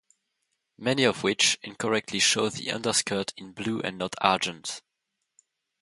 Many of which incorrectly show the underskirt in blue and not argent.